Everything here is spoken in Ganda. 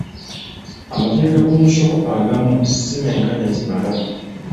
Amateeka g'omusolo agamu si menkanya kimala.